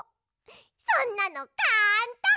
そんなのかんたん！